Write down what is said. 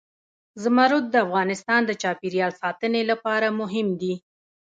زمرد د افغانستان د چاپیریال ساتنې لپاره مهم دي.